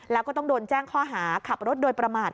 แล้วก็ต้องโดนแจ้งข้อหาขับรถโดยประมาท